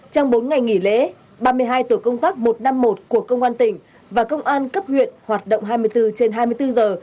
trong bốn ngày nghỉ lễ ba mươi hai tổ công tác một trăm năm mươi một của công an tỉnh và công an cấp huyện hoạt động hai mươi bốn trên hai mươi bốn giờ